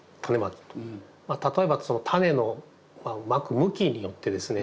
例えばタネのまく向きによってですね